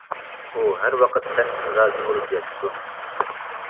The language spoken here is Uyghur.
ئۇ ھەر ۋاقىت سەندىن رازى بولۇپ ياشىسۇن.